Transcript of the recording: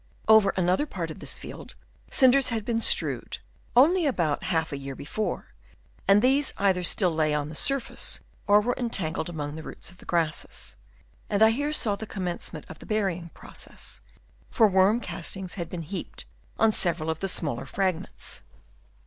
Over another part of this field Chap. III. BROUGHT UP BY WORMS. 133 cinders had been strewed, only about half a year before, and these either still lay on the surface or were entangled among the roots of the grasses ; and I here saw the commence ment of the burying process, for worm cast ings had been heaped on several of the smaller fragments.